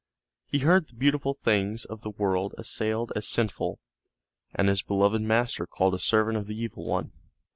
He heard the beautiful things of the world assailed as sinful, and his beloved master called a servant of the Evil One.